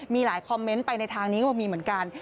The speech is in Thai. มีหลายคอมเมนต์ไปในทางนี้ก็มีเหมือนกัน